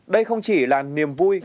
đây không chỉ là niềm vui